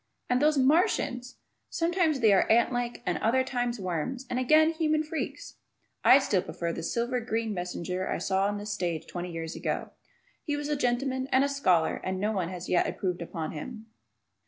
And those Martians! Sometimes they are ant like, and other times worms, and again human freaks! (I still prefer the silver green messenger I saw on the stage twenty years ago. He was a gentleman and a scholar and no one yet has improved upon him.)